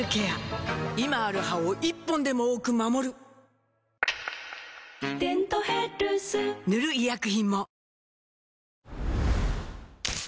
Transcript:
今ある歯を１本でも多く守る「デントヘルス」塗る医薬品もプシュ！